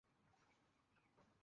এটা আমার ভাই করেছে!